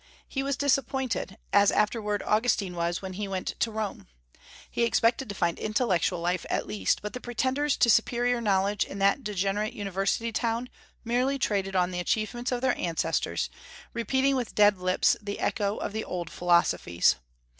He was disappointed, as afterward Augustine was when he went to Rome. He expected to find intellectual life at least, but the pretenders to superior knowledge in that degenerate university town merely traded on the achievements of their ancestors, repeating with dead lips the echo of the old philosophies.